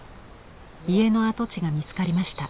家の跡地が見つかりました。